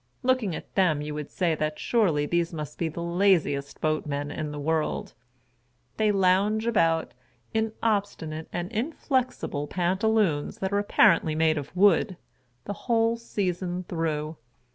Looking at them, you would say that surely these must be the laziest boatmen in the world. They lounge about, in obstinate and inflexible pantaloons that are apparently made of wood, the whole season through.